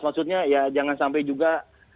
maksudnya ya jangan sampai juga